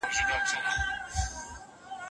قانون د دين له مخې و.